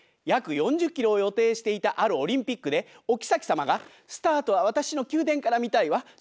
約４０キロを予定していたあるオリンピックでおきさき様が「スタートはわたしの宮殿から見たいわ。